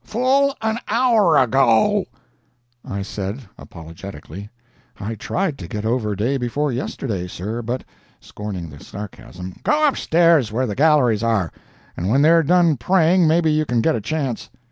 —full an hour ago!" I said, apologetically: "I tried to get over day before yesterday, sir, but—" [Scorning the sarcasm]—"Go up stairs, where the galleries are, and when they're done praying maybe you can get a chance."